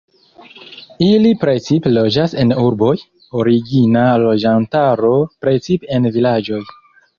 Ili precipe loĝas en urboj, origina loĝantaro precipe en vilaĝoj.